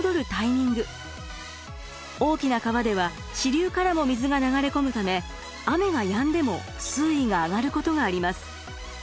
大きな川では支流からも水が流れ込むため雨がやんでも水位が上がることがあります。